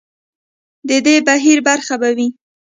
د دې بهیر برخه به وي.